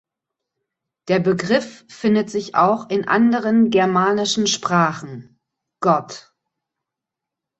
Der Begriff findet sich auch in anderen germanischen Sprachen: got.